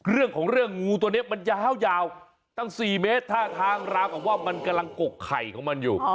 เรื่องของเรื่องงูตัวนี้มันยาวตั้ง๔เมตรท่าทางราวกับว่ามันกำลังกกไข่ของมันอยู่